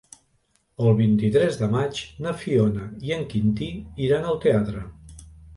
El vint-i-tres de maig na Fiona i en Quintí iran al teatre.